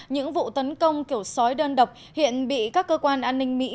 những vụ tấn công kiểu sói đơn độc hiện bị các cơ quan an ninh mỹ